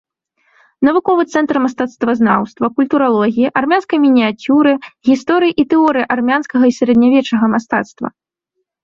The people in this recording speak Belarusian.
Навуковы цэнтр мастацтвазнаўства, культуралогіі, армянскай мініяцюры, гісторыі і тэорыі армянскага і сярэднявечнага мастацтва.